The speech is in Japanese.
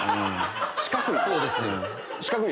四角い。